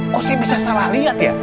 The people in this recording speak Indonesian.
kok sih bisa salah lihat ya